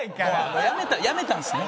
もうやめたんですね？